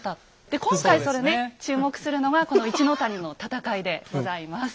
で今回それね注目するのはこの一の谷の戦いでございます。